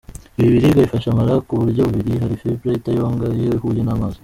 Ibi biribwa bifasha amara ku buryo bubiri: hari fibre itayonga iyo ihuye n’amazi.